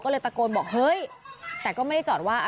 ก็เลยตะโกนบอกเฮ้ยแต่ก็ไม่ได้จอดว่า